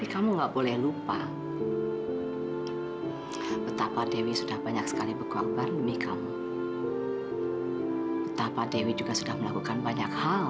sampai jumpa di video selanjutnya